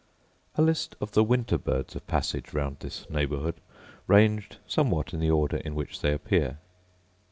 A List of the Winter Birds of Passage round this neighbourhood, ranged somewhat in the order in which they appear: 1.